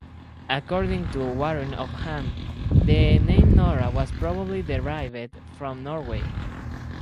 According to Warren Upham, the name Nora was probably derived from Norway.